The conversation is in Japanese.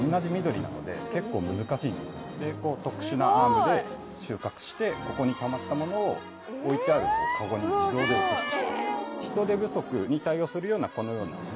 特殊なアームで収穫してここにたまったものを置いてあるカゴに自動で落として。